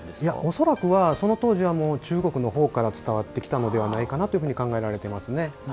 恐らくは、その当時は中国の方から伝わってきたのではないかなと考えられていますね。